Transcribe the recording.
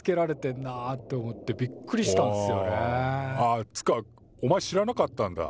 あっつかおまえ知らなかったんだ。